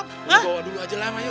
bawa dulu aja lama yuk